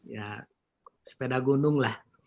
ya sepeda gunung lah